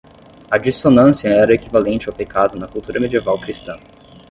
A dissonância era equivalente ao pecado na cultura medieval cristã.